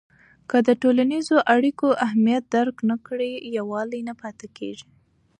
که د ټولنیزو اړیکو اهمیت درک نه کړې، یووالی نه پاتې کېږي.